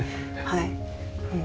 はい。